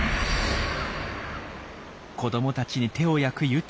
子どもたちに手を焼くユキ。